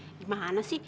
eh gimana sih